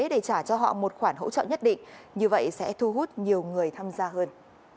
để trả cho họ một khoản hỗ trợ nhất định như vậy sẽ thu hút nhiều người tham gia hơn